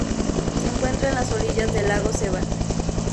Se encuentra en las orillas del lago Sevan.